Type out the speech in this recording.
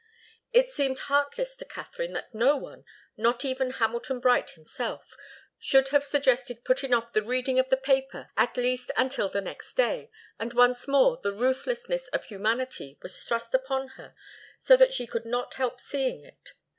It seemed heartless to Katharine that no one not even Hamilton Bright himself should have suggested putting off the reading of the paper at least until the next day, and once more the ruthlessness of humanity was thrust upon her so that she could not help seeing it.